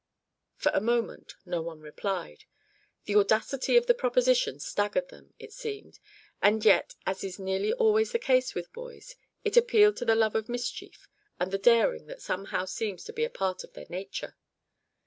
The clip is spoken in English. For a minute no one replied. The audacity of the proposition staggered them, it seemed; and yet as is nearly always the case with boys, it appealed to the love of mischief and the daring that somehow seems to be a part of their nature.